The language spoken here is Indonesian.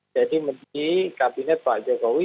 jadi menteri kabinet pak jokowi